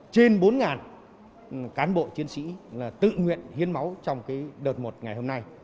trên bốn cán bộ chiến sĩ là tự nguyện hiến máu trong đợt một ngày hôm nay